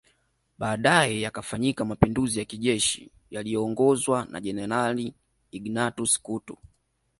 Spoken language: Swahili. Baadae yakafanyika Mapinduzi ya kijeshi yaliyoongozwa na Jenerali Ignatius Kutu